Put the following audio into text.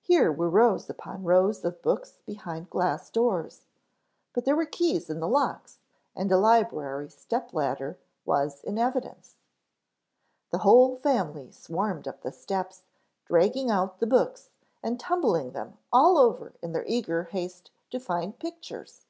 Here were rows upon rows of books behind glass doors, but there were keys in the locks and a library step ladder was in evidence. The whole family swarmed up the steps, dragging out the books and tumbling them over in their eager haste to find pictures.